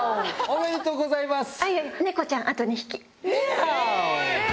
おめでとうございます。